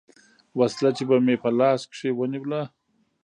وسله چې به مې په لاس کښې ونېوله.